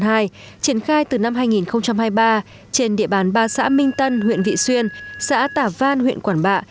triển khai từ năm hai nghìn hai mươi ba trên địa bàn ba xã minh tân huyện vị xuyên xã tả văn huyện quảng bạ